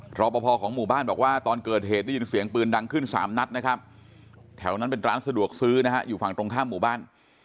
รอปภของหมู่บ้านบอกว่าตอนเกิดเหตุได้ยินเสียงปืนดังขึ้น๓นัดนะครับแถวนั้นเป็นร้านสะดวกซื้อนะฮะอยู่ฝั่งตรงข้ามหมู่บ้าน